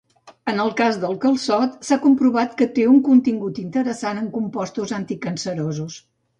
En el cas del calçot s'ha comprovat que té un contingut interessant en compostos anticancerosos.